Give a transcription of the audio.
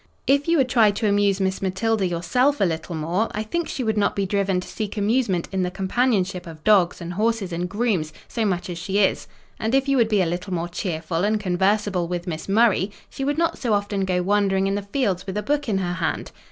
"If you would try to amuse Miss Matilda yourself a little more, I think she would not be driven to seek amusement in the companionship of dogs and horses and grooms, so much as she is; and if you would be a little more cheerful and conversable with Miss Murray, she would not so often go wandering in the fields with a book in her hand.